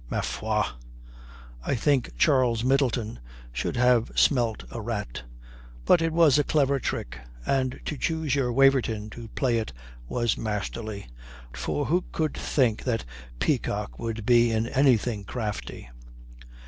Ma foi! I think Charles Middleton should have smelt a rat. But it was a clever trick, and to choose your Waverton to play it was masterly. For who could think that peacock would be in anything crafty?